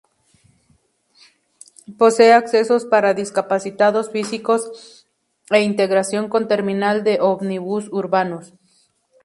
Posee accesos para discapacitados físicos e integración con Terminal de Ómnibus urbanos.